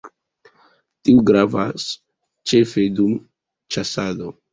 Tiu gravas ĉefe dum ĉasado.